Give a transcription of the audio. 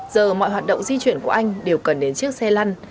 giờ mọi hoạt động di chuyển của anh đều cần đến chiếc xe lăn